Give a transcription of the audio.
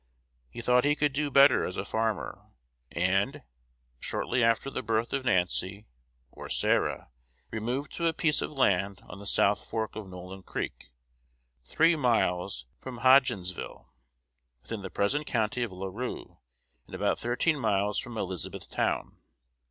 He thought he could do better as a farmer; and, shortly after the birth of Nancy (or Sarah), removed to a piece of land on the south fork of Nolin Creek, three miles from Hodgensville, within the present county of La Rue, and about thirteen miles from Elizabethtown.